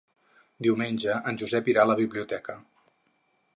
Diumenge en Josep irà a la biblioteca.